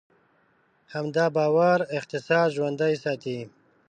همدا باور اقتصاد ژوندی ساتي.